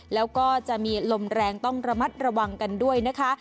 แล้วก็จะมีลมแรงต้องระมัดระวังกันด้วยนะคะ